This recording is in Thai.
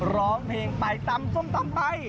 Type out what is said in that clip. ร้องเพลงไปตำส้มตำไป